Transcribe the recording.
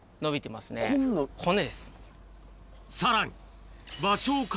さらに。